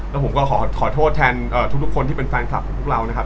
แล้วผมก็ขอโทษแทนทุกคนที่เป็นแฟนคลับของพวกเรานะครับ